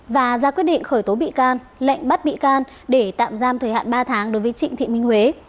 và ra quyết định khởi tố bị can lệnh bắt bị can để tạm giam thời hạn ba tháng đối với trịnh thị minh huế